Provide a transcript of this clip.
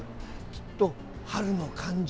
きっと春の感じ